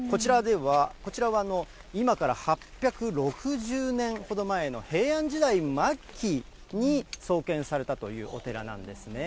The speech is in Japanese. こちらは今から８６０年ほど前の平安時代末期に創建されたというお寺なんですね。